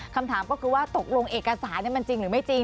คำถามก็คือว่าตกลงเอกสารมันจริงหรือไม่จริง